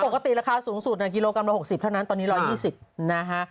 ปกติราคาสูงสุดกิโลกรัมละ๖๐เท่านั้นตอนนี้๑๒๐นะคะ